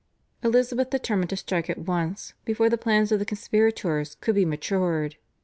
Elizabeth determined to strike at once before the plans of the conspirators could be matured.